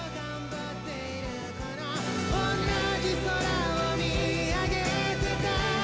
「同じ空を見上げてた」